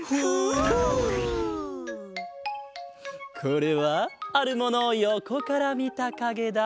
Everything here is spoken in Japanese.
これはあるものをよこからみたかげだ。